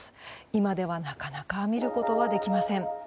今ではなかなか見ることはできません。